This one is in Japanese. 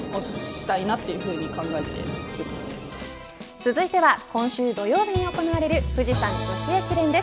続いては今週土曜日に行われる富士山女子駅伝です。